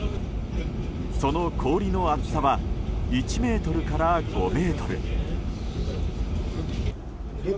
その氷の厚さは１ｍから５ｍ。